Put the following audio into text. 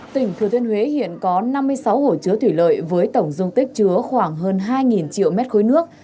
tỉnh thừa thiên huế hiện có năm mươi sáu hồ chứa thủy lợi với tổng dung tích chứa khoảng hơn hai triệu mét khối nước